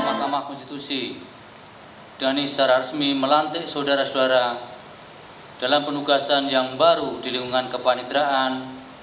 mahkamah konstitusi dhani secara resmi melantik saudara saudara dalam penugasan yang baru di lingkungan kepanitraan